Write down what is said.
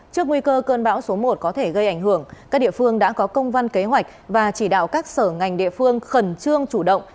trước nguy cơ cơn bão số một có thể gây ảnh hưởng các địa phương đã có công văn kế hoạch và chỉ đạo các sở ngành địa phương khẩn trương chủ động